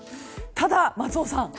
ただ、松尾さん